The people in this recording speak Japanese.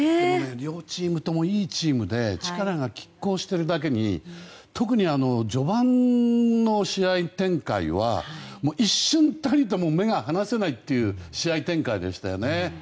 両チームともいいチームで力が拮抗しているだけに序盤の試合展開は一瞬たりとも目が離せない試合展開でしたよね。